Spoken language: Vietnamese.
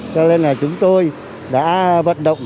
cho nên là chúng tôi đã vận động